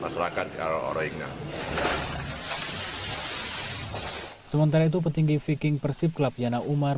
sementara itu petinggi viking persib club yana umar